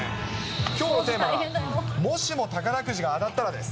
きょうのテーマは、もしも宝くじが当たったらです。